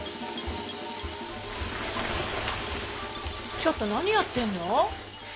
ちょっと何やってんの！